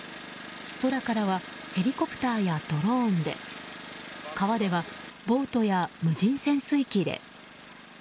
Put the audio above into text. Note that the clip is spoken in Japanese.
空からはヘリコプターやドローンで川ではボートや無人潜水機で。